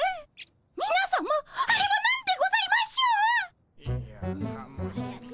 みなさまあれは何でございましょう？